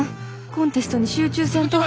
コンテストに集中せんと。